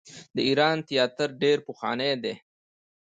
د ایران تیاتر ډیر پخوانی دی.